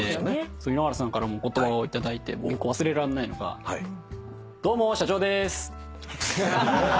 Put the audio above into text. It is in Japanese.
井ノ原さんからもお言葉を頂いて僕忘れらんないのが「ども社長です！」